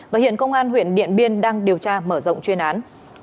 và hiện công an huyện điện biên đang điều tra mở rộng chuyên án